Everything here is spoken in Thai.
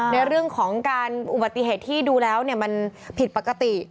ในเรื่องของการอุบัติเหตุที่ดูแล้วมันผิดปกติ